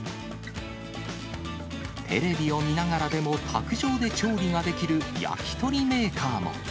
テレビを見ながらでも卓上で調理ができる焼き鳥メーカーも。